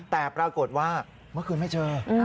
แต่ปรากฏว่าเมื่อคืนไม่เจอ